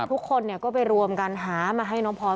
ทุกคนเนี่ยก็รวมกันหามาให้น้องพร